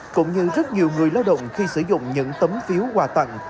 cũng như rất nhiều người lao động khi sử dụng những tấm phiếu quà tặng